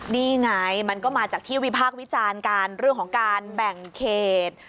นี่ไงมันก็มาจากที่วิพากษ์วิจารณ์กันเรื่องของการแบ่งเขต